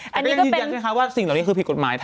ก็ยังยินยันนะคะว่าสิ่งเหล่านี้คือผิดกฎหมาย